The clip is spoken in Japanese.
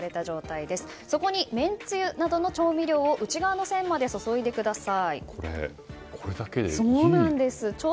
そこに、めんつゆなどの調味料を内側の線までこれだけでいいんですか。